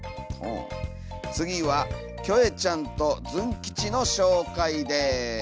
次はキョエちゃんとズン吉の紹介です。